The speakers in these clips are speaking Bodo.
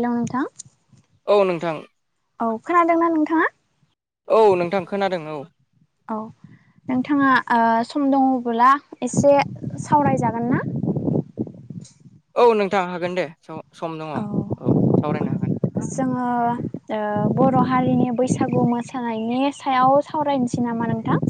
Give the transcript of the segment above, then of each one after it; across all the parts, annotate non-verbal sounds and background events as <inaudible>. हेलौ नोंथां औ नोंथां औ खोनादोंना नोंथाङा। औ नोंथां खोनादों औ। औ नोंथाङा ओ सम दङबोला एसे सावरायजागोन ना? औ नोंथां हागोन दे स सम दङ औ सावरायनो हागोन। जोङो ओ बर' हारिनि बैसागु मोसानायनि सायाव सावरायनिसै नामा नोंथां।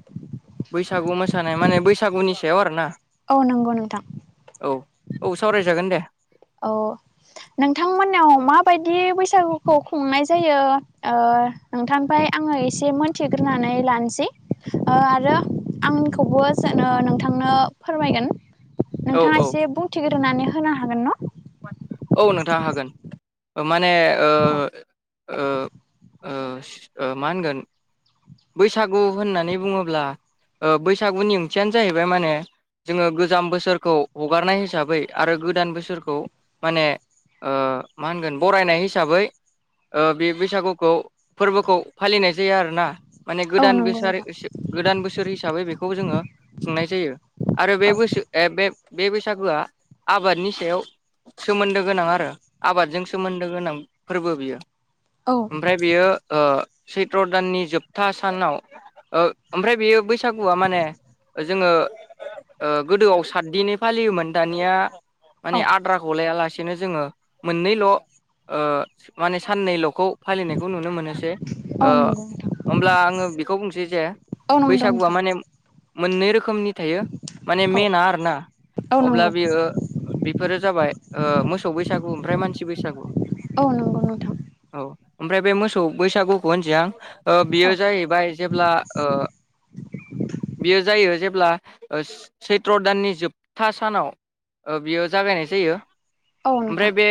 <inaudible> बैसागु मोसानाय माने बैसागुनि सायाव आरो ना। औ नंगौ नोंथां। औ औ सावरायजागोन दे। औ। नोंथांमोनाव माबायदि बैसागुखौ खुंनाय जायो ओ नोंथांफाय। आङो एसे मोनथिग्रोनानै लानोसै ओ आरो आंनिखौबो जेन ओ नोंथांनो फोरमायगोन। औ नोंथाङा औ एसे बुंथिग्रोनानै होनो हागोन न? औ नोंथां हागोन माने ओ ओ ओ ओ मा होनगोन बैसागु होननानै बुङोब्ला ओ बैसागुनि ओंथियानो जाहैबाय माने जोङो गोजाम बोसोरखौ हगारनाय हिसाबै आरो गोदान बोसोरखौ माने ओ मा होनगोन बरायनाय हिसाबै ओ बे बैसागुखौ फोरबोखौ फालिनाय जायो आरोना माने औ गोदान नंगौ बोसारो नोंथां सो गोदान बोसोर हिसाबै बेखौ जोङो खुंनाय जायो आरो बे औ बोसो ए बे बे बैसागुआ आबादनि सायाव सोमोन्दो गोनां आरो आबादजों सोमोन्दो गोनां फोरबो बियो औ ओमफ्राय बियो ओ सैत्र दाननि जोबथा सानाव औ ओमफ्राय बेयो बैसागुआ माने जोङो गोदोआव साद दिनै फालियोमोन दानिया माने औ आद्रा थायालासेनो जोङो मोननैल ओ माने सननैल'खौ फालिनायखौ नुनो मोनोसै औ ओ नंगौ होमब्ला आङो बेखौ बुंसै जे बैसागुआ नोंथां माने मोननै रोख खोमनि थायो माने मेना आरोना औ नंगौ नोंथां औ अब्ला नंगौ बियो बेफोरो जाबाय ओ मोसौ बैसागु ओमफ्राय मानसि बैसागु औ नंगौ नोंथां औ ओमफ्राय बे मोसौ बैसागुखौ होनसै आं ओ बेयो औ जाहैबाय जेब्ला ओ बेयो जायो जे ब्ला ओ सैथ्र' दाननि जोबथा सानाव ओ बियो जागायनाय जायो औ ओमफ्राय नोंथां बे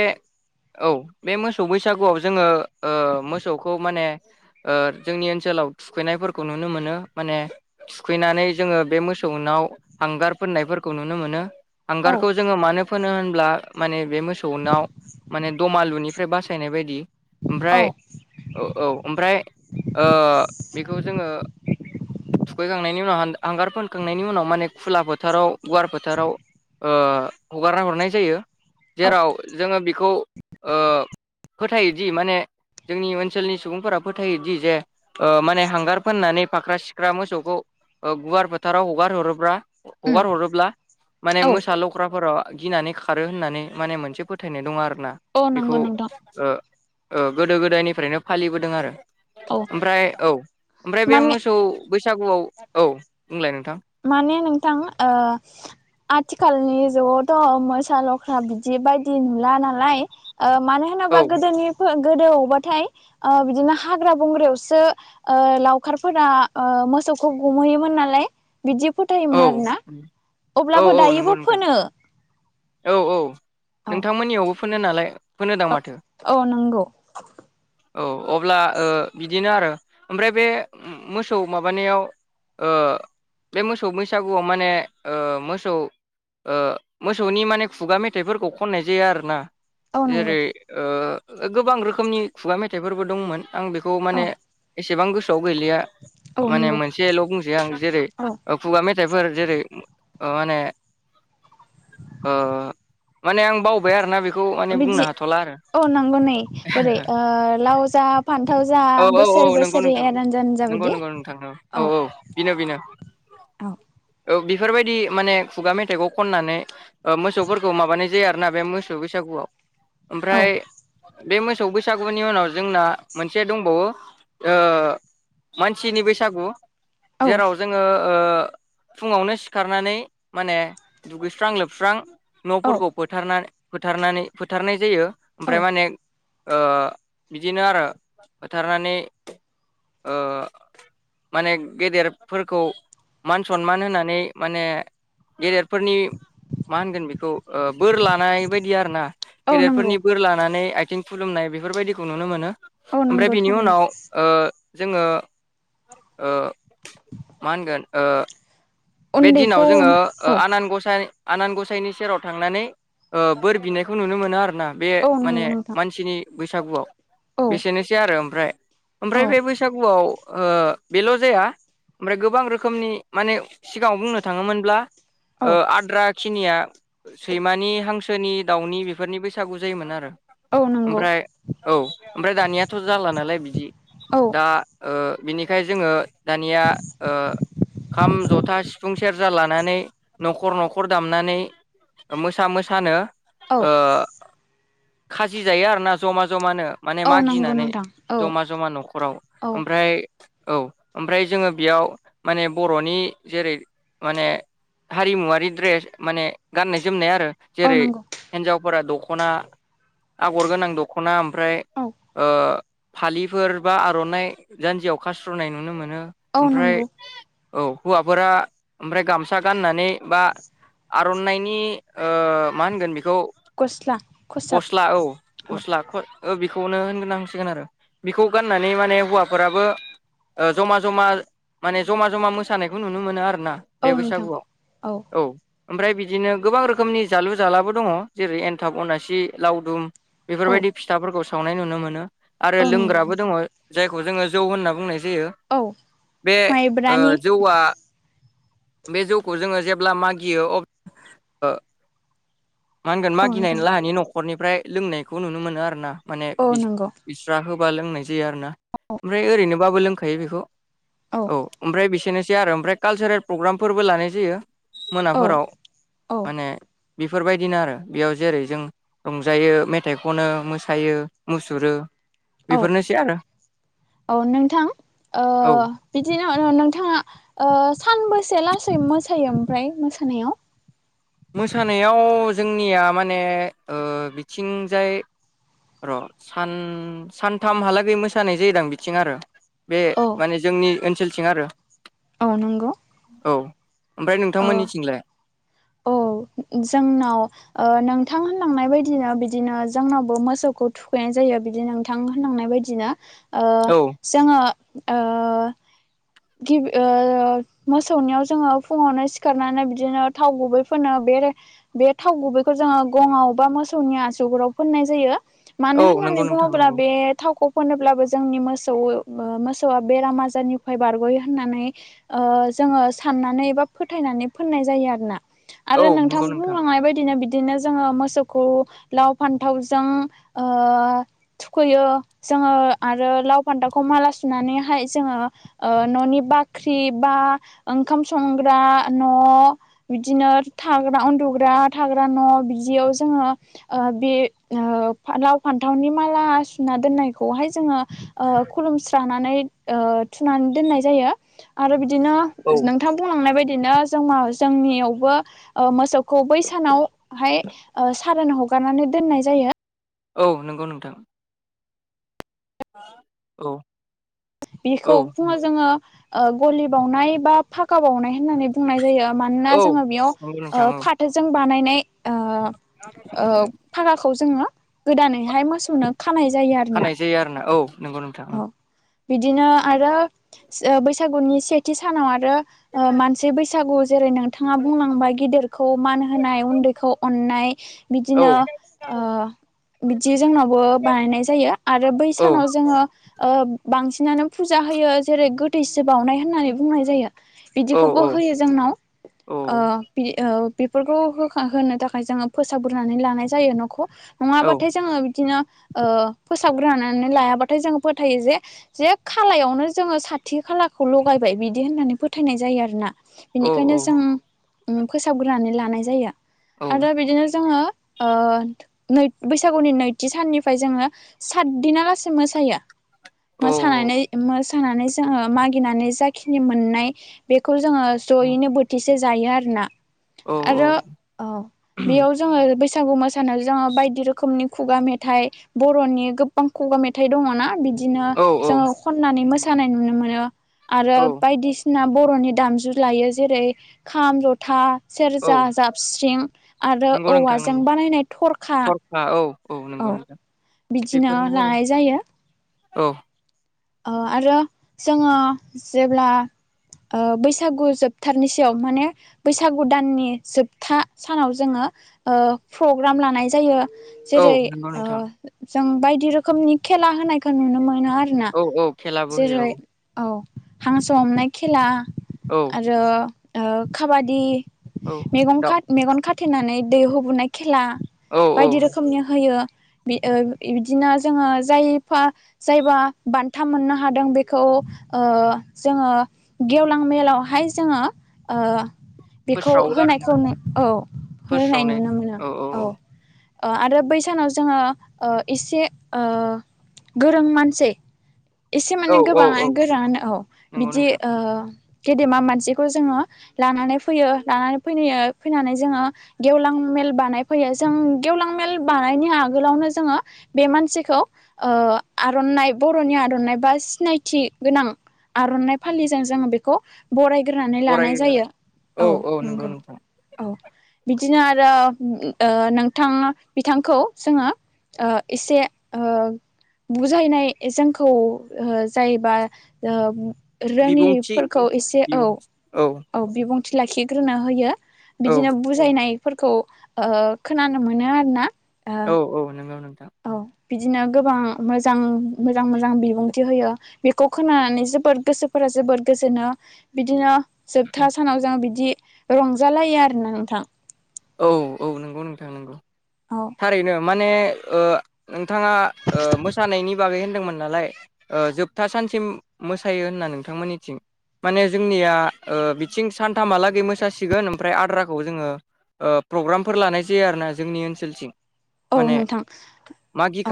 औ बे मोसौ बैसागुआव जोङो ओ मोसौखौ माने ओ जोंनि ओ ओनसोलाव थुखैनायफोरखौ नुनो मोनो माने थुखैनानै जोङो बे मोसौनाव हांगार फोनायफोरखौ नुनो मोनो औ हांगारखौ जोङो मानो फोनो होनब्ला माने बे मोस सौनाव माने दमालुनिफ्राय बासायनाय बायदि औ ओमफ्राय औ औ ओमफ्राय ओ बेखौ जोङो थुखैखांनायनि उनाव हान हांगार फोनखांनायनि उनाव माने खुला फोथाराव गुवार फोथाराव ओ हगारना हरनाय जायो औ जेराव जोङो बेखौ ओ फोथायोदि माने जोंनि ओनसोलनि सुबुंफोरा फोथायोदि जे ओ माने हांगार फोननानै फाख्रा सिख्रा मोसौखौ गुवार फोथाराव हगार हरोब्रा उम हगार हरोब्ला माने औ मोसा लख्राफोरा गिनानै खारो होननानै माने मोनसे फोथायनाय दं आरोना औ नंगौ बेखौ नोंथां ओ ओ गोदो गोदायनिफ्रायनो फालिबोदों आरो औ ओमफ्राय औ ओमफ्राय बे माने मोसौ बैसागुआव औ बुंलाय नोंथां माने नोंथां ओ आथिखालनि जुगावथ' मोसा लख्रा बिदि बायदि नुला नालाय ओ मानो औ होनोबा गोदोनि फो गोदोआवबाथाय ओ बिदिनो हाग्रा बंग्रायावसो ओ लावखारफोरा ओ मोस सौखौ गुमहैयोमोन नालाय बिदि फोथायोमोन औ आरोना औ अब्लाबो औ नंगौ दायोबो नोंथां फोनो औ औ नोंथांमोननियावबो फोनो नालाय फोनोदां माथो ओ औ नंगौ औ अब्ला ओ बिदिनो आरो ओमफ्राय बे मोसौ माबानायाव ओ बे मोसौ बैसागुआव माने ओ मोसौ ओ मोस सौनि माने खुगा मेथाइफोरखौ खननाय जायो आरोना औ नंगौ जेरै ओ गोबां रोखोमनि खुगा मेथाइफोरबो दंमोन आं बेखौ औ माने एसेबां गोसो गैलिया औ माने नंगौ मोनसेल' बुंसै आं जेरै औ खुगा मेथाइफोर जेरै अ माने ओ माने आं बावबाय आरोना बेखौ माने बुंनो बिदि हाथ'ला आरो औ नंगौ नै बोरै ओ लाव जा फान औ औ औ नंगौ नोंथां हानजा नंगौ बिदि नंगौ नोंथां औ औ औ बिनो बिनो औ औ बि फोरबायदि माने खुगा मेथाइखौ खननानै ओ मोसौफोरखौ माबानाय जायो आरोना बे मोसौ बैसागुआव औ ओमफ्राय बे मोसौ बैसागुनि उनाव जोंना मोन से दंबावो ओ मानसिनि बैसागु औ जेराव जोङो ओ फुङावनो सिखारनानै माने दुगैस्रां लोबस्रां औ न'फोरखौ फोथारना फोथारनानै फोथारनाय जायो। औ ओमफ्राय माने ओ बिदिनो आरो फोथारनानै ओ माने गेदेरफोरखौ मान सनमान होनानै माने गेदेरफोरनि मा होनगोन बेखौ ओ बोर लानाय बायदि आरो ना औ नंगौ गेदेरफोरनि बोर लानानै आथिं खुलुमनाय बेफोरबायदिखौ नुनो मोनो। औ ओमफ्राय नंगौ बिनि थारैनो उनाव ओ जोङो ओ मा होनगोन ओ बे दिनाव उन्दैखौ जोङो औ आनान गसाय आनान गसाइनि सेराव थांनानै ओ बोर बिनायखौ नुनो मोनो आरोना। बे औ माने नंगौ नोंथां मानसिनि बैसागुआव औ बेसेनोसै आरो ओमफ्राय ओमफ्राय औ बे बैसागुआव ओ बेल' जाया। ओमफ्राय गोबां रोखोमनि माने सिगाङाव बुंनो थाङोमोनब्ला औ आद्रा खिनिया सैमानि हांसोनि दाउनि बेफोरनि बैसागु जायोमोन आरो। औ नंगौ ओमफ्राय औ ओमफ्राय दानियाथ' जाला नालाय बिदि औ दा ओ बिनिखाय जोङो दानिया ओ खाम ज था सिफुं सेरजा लानानै न'खर न'खर दामनानै मोसा मोसानो औ ओ खाजि जायो आरोना जमा जमानो। माने औ नंगौ मागिनानै नोंथां औ जमा जमा न'खराव औ ओमफ्राय औ ओमफ्राय जोङो बेयाव माने बर'नि जेरै माने हारिमुवारि द्रेस माने गाननाय जोमनाय आरो औ जेरै नंगौ हिनजावफोरा दख'ना आगर गोनां दख'ना ओमफ्राय औ ओ फालिफोर बा आर'नाइ जान्जियाव खास्रोनाय नुनो मोनो। औ ओमफ्राय नंगौ औ हौवाफोरा ओमफ्राय गामसा गाननानै बा आर'नाइनि ओ मा होनगोन बे खौ गस्ला खसाब गस्ला औ औ गस्लाखौ क ओ बेखौनो होनगोनांसिगोन आरो बेखौ गाननानै माने हौवाफोराबो ओ जमा जमा माने जमा जमा मो सानायखौ नुनो मोनो आरोना औ बे नोंथां बैसागुआव औ। ओमफ्राय बिदिनो गोबां रोखोमनि जालु जालाबो दङ जेरै एन्थाब अनासि लावदुम औ बेफोरबायदि फिथाफोरखौ सावनाय नुनो मोनो आरो औ नंगौ लोंग्राबो दङ नोंथां जायखौ जोङो जौ होनना बुंनाय जा यो। औ बे माइब्रानि जौआ बे जौखौ जोङो जेब्ला मागियो। अब्ला ओ मा होनगोन औ मागिनायनि नोंथां लाहानि न'खरनिफ्राय लोंनायखौ नुनो मोनो आरो ना माने औ बिस नंगौ बिस्रा हो बा लोंनाय जायो आरोना ओमफ्राय ओरैनोबाबो लोंखायो बेखौ औ ओमफ्राय बि एसेनोसै आरो ओमफ्राय कालसारेल प्रग्रामफोरबो लानाय जायो औ मोनाफोराव औ माने बेफोरबायदिनो आरो बेयाव जेरै जों रंजायो मेथाइ खनो मोसायो मुसुरो। औ बेफोरनोसै आरो। औ नोंथां ओ औ बिदिनो नोंथाङा ओ सानबसे लासै मोसायो ओमफ्राय मोसानायाव मोसानायाव जोंनिया माने ओ बिथिंजाय र' सान सानथामहालागै मोसानाय जायोदां बिथिं आरो बे औ माने जोंनि ओनसोलथिं आरो औ नंगौ औ ओमफ्राय ओ नोंथांमोननिथिंलाय औ जोंनाव ओ नोंथां होनलांनाय बायदिनो बिदिनो जोंनावबो मोसौखौ थुखैनाय जायो बिदि नोंथां होनलांनाय बायदिनो ओ औ जोङो ओ गिबि ओ मोसौनियाव जोङो फुङावनो सिखारनानै बिदिनो थाव गुबै फोनो बे बे थाव गुबैखौ जोङो गङआव बा मोसौनि आसुगुराव फोननाय जायो मानो औ होननानै नंगौ नोंथां बुङोब्ला नंगौ बे थावखौ होनोब्लाबो जोंनि मोसौ मोसौआ बेराम आजारनिफ्राय बारगयो होननानै जोङो साननानै एबा फोथायनानै फोननाय जायो आरोना औ आरो नोंथां नंगौ बुंलांनाय बायदिनो बि बिदिनो जोंङो मोसौखौ लाव फान्थाव जों ओ थुखैयो जोङो आरो लाव फान्थाखौ माला सुनानैहाय जोङो ओ ननि बाख्रि बा ओंखाम संग्रा न' बिदिनो थाग्रा उन्दुग्रा थाग्रा न बिदियाव जोङो बे लाव फान्थावनि माला सुना दोननायखौहाय जोङो ओ खुलुमस्रानानै थुनानै दोननाय जायो आरो बिदि बिदिनो औ नोंथां बुंलांनाय बायदिनो जों जोंनि जोंनियावबो मोसौखौ बै सानावहाय सारोन हगारनानै दोननाय जायो औ नंगौ नोंथां औ बेखौ औ बुङो जोङो गलि बावनाय बा फाक खाबावनाय होननानै बुंनाय जायो मानोना औ जोङो ओ नंगौ नोंथां बेयाव औ फाथोजों बानायनाय ओ फागाखौ जोङो गोदानैहाय मोसौनो खानाय जायो आरोना नोंगौ नोंथां औ बिदिनो आरो बैसागुनि सेथि सानाव आरो ओ मानसि बैसागु जेरै नोंथाङा बुंलांबाय गिदिर खौ मान होनाय उन्दैखौ अननाय औ बिदिनो ओ बिदि जोंनावबो बानायनाय जायो आरो बै औ सानाव जोङो ओ बांसिनानो फुजा होयो जेरै गोदथैसि बावनाय होननानै बुंनाय जायो औ बिदिखौबो औ होयो जोंनाव औ ओ बि बेफोरखौ हो होनो थाखाय जोङो फोसाब ग्रोनानै लानाय जायो नखौ औ नङाबाथाय जोङो बिदिनो ओ फोसाबग्रोनानै लायाबाथाय जोङो फोथायो जे जे खालायावनो जोङो साथि खालाखौ लगायबाय बिदि होननानै फोथायनाय जायो आरोना औ बेनिखायनो जों ओ फोसाबग्रोनानै लानाय जायो औ आरो बिदिनो जोङो ओ न बैसागुनि नैथि साननिफ्राय जोङो सातदिनालासे मोसायो मोसानानै मोसानानै जोङो मागिनानै जाखिनि मोननाय बेखौ खौ जोङो जयैनो बोथिसे जायो आरोना आरो औ बेयाव जोङो बे बैसागु मोसानाय जोङो बायदि रोखोमनि खुगा मेथाइ बरनि गोबां खुगा मेथाइ दङना बिदि बिदिनो औ जोङो खननानै मोसानाय नुनो मोनो आरो बायदिसिना बरनि दामजु लायो जेरै खाम जथा औ सेरजा जाबस्रिं आरो नंगौ नोंथां औवाजों नंगौ बानायनाय थरखा औ औ नंगौ नोंथां बिदिनो बेफोरनो आरो लानाय जायो औ ओ आरो जोङो जेब्ला ओ बैसागु जोबथारनि सायाव माने बैसागु दाननि जोबथा सानाव जोङो ओ प्रग्राम लानाय जायो औ जेरै नंगौ नोंथां जों बायदि रोखोमनि खेला होनायखौ नुनो मोनो आरो औ औ खेलाबो होयो जेरै औ हांसो हमनाय खेला औ आरो ओ खाबादि औ मगं दा खा- मेगन खाथेनानै दैहो बुनाय खेला औ औ बायदि रोखोमनि होयो ओ बिदिनो जोङो जायफा जायबा बान्था मोननो हादों बेखौ ओ जोङो गेवलां मेलावहाय जोङो। ओ। बेखौ फोस्रावो आरोना होनायखौ औ होनाय नुनो मोनो औ। आरो बै सानाव जोङो ओ एसे गोरों मानसि एसे औ माने औ गोबाङानो औ गोरों आनो औ नंगौ बिदि। नोंथां गेदेमा मासिखौ जोङो लानानै फैयो लानानै फै फैनानै जोङो गेवलां। बानाय फैयो जों गेवलां मेल बानायनि आगोलावनो जोङो बे मानसिखौ ओ। आर'ननाइ बर'नि आर'न नोबा सिनायथि गोनां आर'ननाइ फालिजों जों बेखौ बराय ग्रोनानै लानाय बरायो जायो औ नंगौ औ बि दिनो आरो ओ नोंथां बिथांखौ जोङो। ओ इसे ओ बुजायनाय जोंख खौ ओ जायोबा ओ बिबुंथि रोङिफोरखौ इसे औ औ बिबुंथि लाखिग्रोनो होयो औ बिदिनो बुजायनाय फोरखौ ओ खोनानो मोनो आरो ना औ औ नोंगौ नोंथां औ। बिदिनो गोबां मोजां मोजां मोजां बिबुंथि होयो बेखौ खोनानानै जोबोर गोसोफोरा जोबोर गोजोनो बिदिनो। जोबथा सानाव जों बिदि रंजालायो आरोना नोंथां औ औ नोंगौ नोंथां नोंगौ औ थारैनो माने ओ नोंथाङा ओ मोसानायनि बागै होनदोंमोन नालाय ओ जोबथा सा सिम मोसायो होनना नोंथांमोननिथिं माने जोंनिया ओ बिथिं सानथामहालागै मोसासिगोन ओमफ्राय आद्राखौ जोङो ओ प्रग्रामफोर लानाय जायो आरोना जोंनि ओनसोल थिं औ माने नोंथां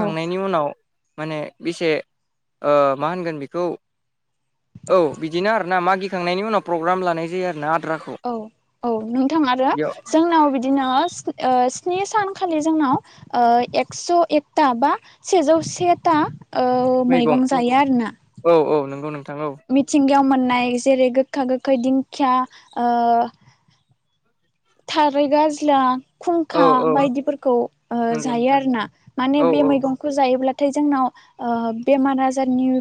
औ उनाव माने बिसे ओ मा होनगोन बिखौ औ बिदिनो आरोना मागि थांनायनि उनाव प्रग्राम लानाय जायो आरो ना औ औ नोंथां आरो बेयाव जोंनाव बिदिनो ओ स्नि सानखालि जोंनाव ओ एक्स' एकता बा सेजौ सेता ओ मैगं जायो आरोना। औ औ नंगौ नोंथां औ मिथिंगायाव मोननाय जेरै गोखखा-गोखखै दिंखिया ओ। थारै गाजला। औ खुंखा औ बायदिफोरखौ ओ नंगौ जायो नोंथां आरो ना माने औ बे औ मैगंखौ जायोब्ला। थाय जोंनाव ओ बेमार-आजारनि